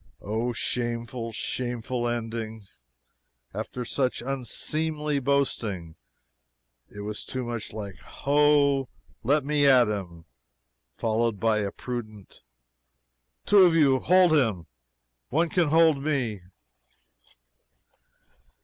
Oh, shameful, shameful ending, after such unseemly boasting! It was too much like "Ho! let me at him!" followed by a prudent "Two of you hold him one can hold me!"